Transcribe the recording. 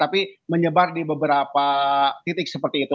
tapi menyebar di beberapa titik seperti itu